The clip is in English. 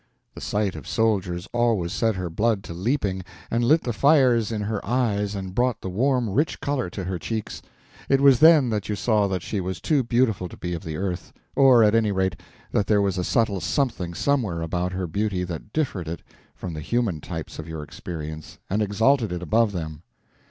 The sight of soldiers always set her blood to leaping, and lit the fires in her eyes and brought the warm rich color to her cheeks; it was then that you saw that she was too beautiful to be of the earth, or at any rate that there was a subtle something somewhere about her beauty that differed it from the human types of your experience and exalted it above them.